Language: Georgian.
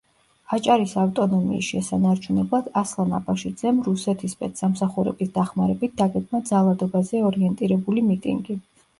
აჭარის ავტონომიის შესანარჩუნებლად ასლან აბაშიძემ რუსეთის სპეცსამსახურების დახმარებით დაგეგმა ძალადობაზე ორიენტირებული მიტინგი.